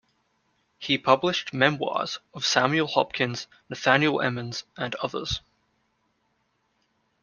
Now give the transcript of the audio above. He published memoirs of Samuel Hopkins, Nathanael Emmons, and others.